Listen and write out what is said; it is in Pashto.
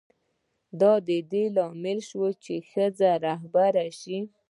دا د دې لامل شو چې ښځه رهبره شي.